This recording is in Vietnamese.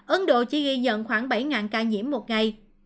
ấn độ chỉ ghi nhận khoảng bảy ca nhiễm một ngày